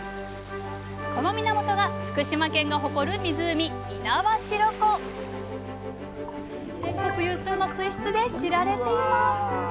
この源が福島県が誇る湖全国有数の水質で知られています。